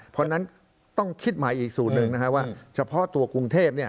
เพราะฉะนั้นต้องคิดใหม่อีกสูตรหนึ่งนะฮะว่าเฉพาะตัวกรุงเทพ